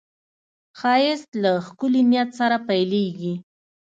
ښایست له ښکلي نیت سره پیلېږي